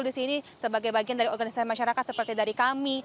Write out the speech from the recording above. jadi di sini sebagai bagian dari organisasi masyarakat seperti dari kami